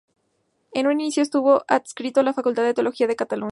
En un inicio estuvo adscrito a la Facultad de Teología de Cataluña.